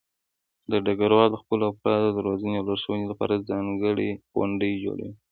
ډګروال د خپلو افرادو د روزنې او لارښودنې لپاره ځانګړې غونډې جوړوي.